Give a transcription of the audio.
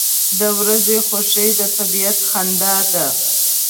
• د ورځې خوښي د طبیعت خندا ده.